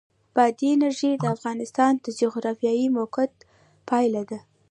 بادي انرژي د افغانستان د جغرافیایي موقیعت پایله ده.